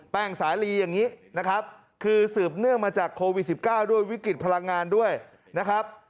สาลีอย่างนี้นะครับคือสืบเนื่องมาจากโควิด๑๙ด้วยวิกฤตพลังงานด้วยนะครับ